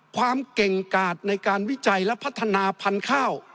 ความเก่งกาดในการวิจัยและพัฒนาพันธุ์ข้าว